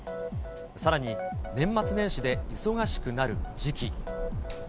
さらに、年末年始で忙しくなる時期。